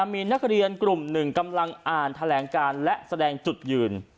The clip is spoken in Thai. มีนักเรียนกลุ่มหนึ่งกำลังอ่านแถลงการและแสดงจุดยืน